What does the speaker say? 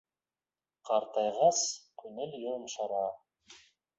Ҡартайғас күңел йомшара.